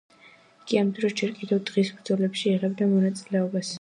იგი ამ დროს ჯერ კიდევ დღის ბრძოლებში იღებდა მონაწილეობას.